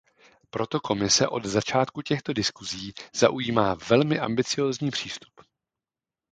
Proto Komise od začátku těchto diskusí zaujímá velmi ambiciózní přístup.